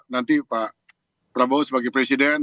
nanti pak prabowo sebagai presiden